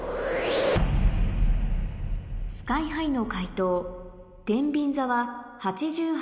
ＳＫＹ−ＨＩの解答や座は８８